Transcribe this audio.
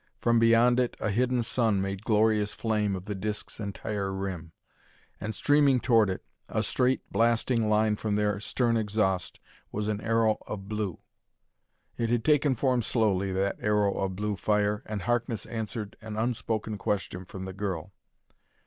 From beyond it, a hidden sun made glorious flame of the disc's entire rim. And, streaming toward it, a straight, blasting line from their stern exhaust, was an arrow of blue. It had taken form slowly, that arrow of blue fire, and Harkness answered an unspoken question from the girl.